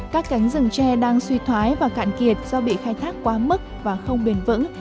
các cánh rừng che đang suy thoái và cạn kiệt do bị khai thác quá mức và không bền vững